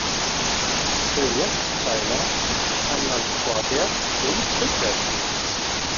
Reliefpfeiler kann man vorwärts und rückwärts lesen.